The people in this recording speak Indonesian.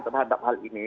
terhadap hal ini